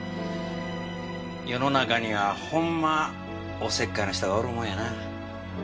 世の中にはほんまおせっかいな人がおるもんやな。